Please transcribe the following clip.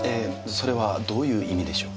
それはどういう意味でしょう？